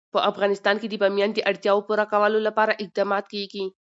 په افغانستان کې د بامیان د اړتیاوو پوره کولو لپاره اقدامات کېږي.